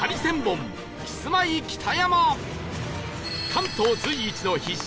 関東随一の必勝